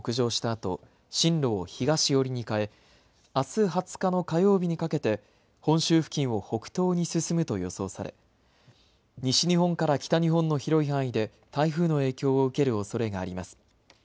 あと進路を東寄りに変えあす２０日の火曜日にかけて本州付近を北東に進むと予想され西日本から北日本の広い範囲で台風の影響を受けるおそれがあります。